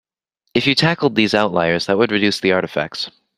If you tackled these outliers that would reduce the artifacts.